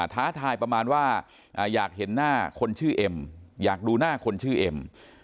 ท้าทายประมาณว่าอยากเห็นหน้าคนชื่อเอ็มอยากดูหน้าคนชื่อเอ็ม